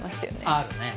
あるね